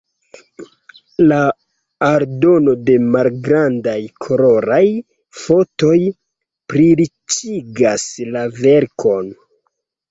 La aldono de malgrandaj koloraj fotoj pliriĉigas la verkon.